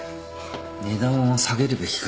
値段を下げるべきか。